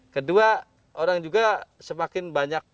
kedua orang juga semakin banyak